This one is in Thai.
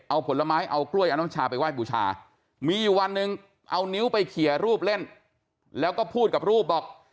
เอาผลไม้เอากล้วยเอาน้ำชาไปไห้บูชามีอยู่วันหนึ่งเอานิ้วไปเขียรูปเล่นแล้วก็พูดกับรูปบอก